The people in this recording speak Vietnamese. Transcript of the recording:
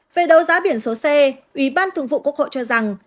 về đấu giá biển số xe ủy ban thường vụ quốc hội cho rằng